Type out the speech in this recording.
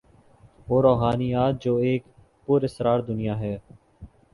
وہ روحانیت جو ایک پراسرار دنیا ہے۔